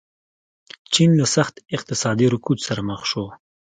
چین له سخت اقتصادي رکود سره مخ شو.